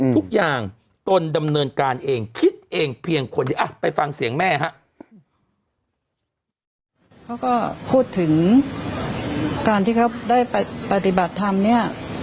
ทุกอย่างตนดำเนินการเองคิดเองเพียงคนเดียว